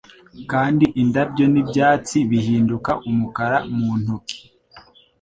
Kandi indabyo n'ibyatsi bihinduka umukara mu ntoki